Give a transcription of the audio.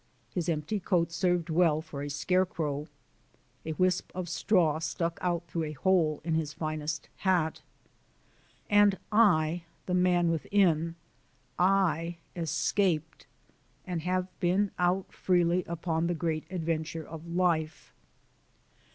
His empty coat served well for a scarecrow. A wisp of straw stuck out through a hole in his finest hat. And I the man within I escaped, and have been out freely upon the great adventure of life.